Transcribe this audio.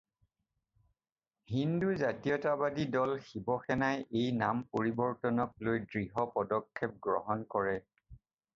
হিন্দু জাতীয়তাবাদী দল শিবসেনাই এই নাম পৰিবৰ্তনক লৈ দৃঢ় পদক্ষেপ গ্ৰহণ কৰে।